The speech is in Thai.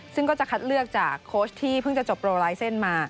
ซึ่งก็จะคัดเลือกจากโค้ชที่เพิ่งจะจบโปรลายเส้นมา